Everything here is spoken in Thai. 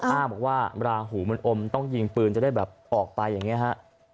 อ้างบอกว่าราหูมันอมต้องยิงปืนจะได้แบบออกไปอย่างนี้ฮะ